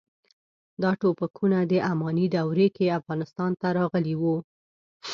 دا ټوپکونه د اماني دورې کې افغانستان ته راغلي وو.